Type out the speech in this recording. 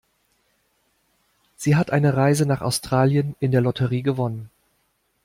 Sie hat eine Reise nach Australien in der Lotterie gewonnen.